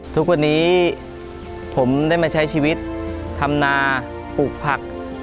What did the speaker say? ทุกวันนี้ผมได้มาใช้ชีวิตทำนาปลูกผัก